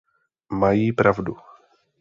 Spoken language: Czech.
Mají pravdu.